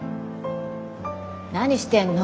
何してんの？